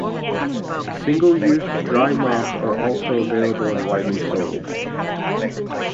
Single-use dry mops are also available and widely sold.